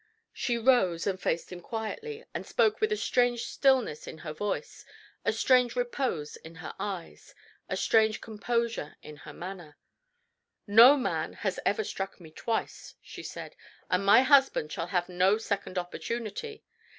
She rose, and faced him quietly, and spoke with a strange stillness in her voice, a strange repose in her eyes, a strange composure in her manner. "No man has ever struck me twice," she said, "and my husband shall have no second opportunity.